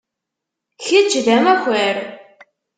Kečč d amakar.